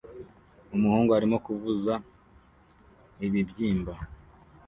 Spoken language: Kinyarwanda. Umuhungu arimo kuvuza ibibyimba